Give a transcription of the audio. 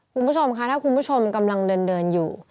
คุณผู้ชมค่ะถ้าคุณผู้ชมกำลังเดินอยู่